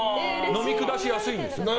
飲み下しやすいんですよ。